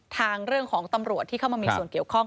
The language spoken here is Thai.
ทางเรื่องของตำรวจที่เข้ามามีส่วนเกี่ยวข้อง